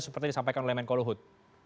seperti yang disampaikan oleh menko luhut